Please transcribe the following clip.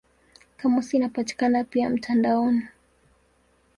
Kamusi inapatikana pia mtandaoni.